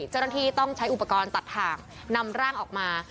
เจ้าหน้าที่ต้องใช้อุปกรณ์ตัดถ่างนำร่างออกมา